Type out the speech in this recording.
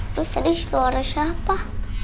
itu suara siapa